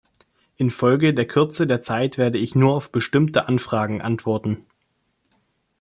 Infolge der Kürze der Zeit werde ich nur auf bestimmte Anfragen antworten.